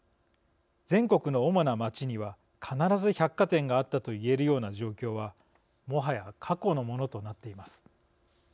全国の主な街には必ず百貨店があったと言えるような状況はもはや過去のものとなっています。